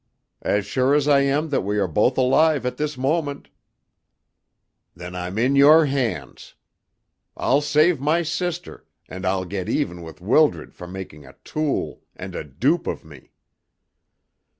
"As sure as I am that we are both alive at this moment." "Then I'm in your hands. I'll save my sister, and I'll get even with Wildred for making a tool and a dupe of me."